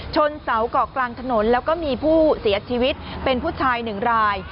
ชนเสาเกาะกลางถนนแล้วก็มีผู้เสียชีวิตเป็นผู้ชายหนึ่งราย